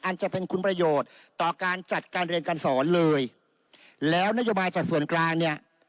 จะเป็นคุณประโยชน์ต่อการจัดการเรียนการสอนเลยแล้วนโยบายจากส่วนกลางเนี่ย